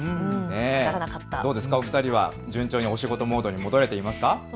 お二人は順調にお仕事モードに戻れていますか。